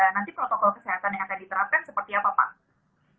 nanti protokol kesehatan yang akan diterapkan seperti apa pak